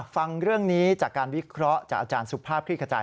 ฟังเรื่องนี้จากการวิเคราะห์จากอาจารย์สุภาพคลิกขจาย